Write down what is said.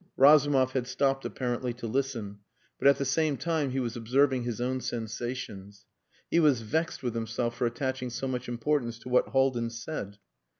Razumov had stopped apparently to listen, but at the same time he was observing his own sensations. He was vexed with himself for attaching so much importance to what Haldin said.